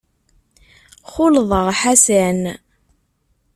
Xulḍeɣ Ḥasan.